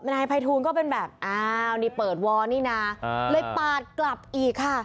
นายภัยทูลก็เป็นแบบอ้าวนี่เปิดวอลนี่นะเลยปาดกลับอีกค่ะ